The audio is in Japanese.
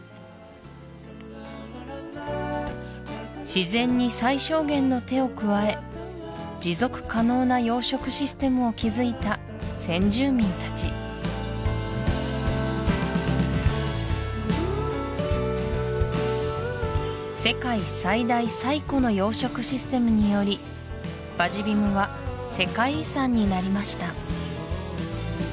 自然に最小限の手を加え持続可能な養殖システムを築いた先住民たち世界最大・最古の養殖システムによりバジ・ビムは世界遺産になりました